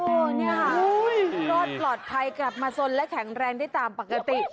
นี่ค่ะรอดปลอดภัยกลับมาสนและแข็งแรงได้ตามปกติ